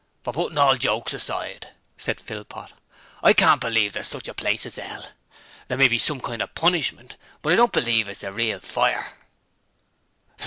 'But puttin' all jokes aside,' said Philpot, 'I can't believe there's sich a place as 'ell. There may be some kind of punishment, but I don't believe it's a real fire.'